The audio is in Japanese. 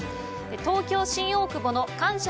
東京・新大久保の感謝